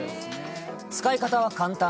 使い方は簡単。